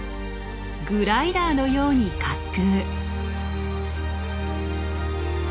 グライダーのように滑空。